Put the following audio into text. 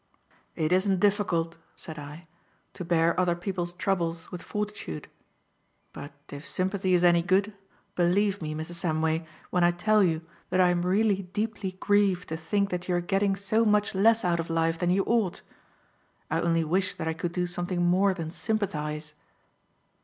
"It isn't difficult," said I, "to bear other people's troubles with fortitude. But if sympathy is any good, believe me, Mrs. Samway, when I tell you that I am really deeply grieved to think that you are getting so much less out of life than you ought. I only wish that I could do something more than sympathize."